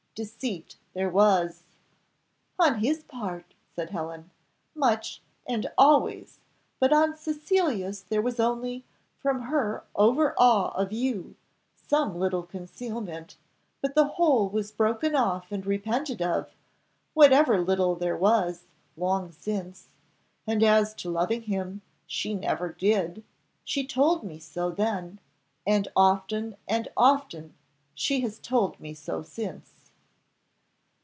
Deceit there was." "On his part," said Helen, "much and always; but on Cecilia's there was only, from her over awe of you, some little concealment; but the whole was broken off and repented of, whatever little there was, long since. And as to loving him, she never did; she told me so then, and often and often she has told me so since."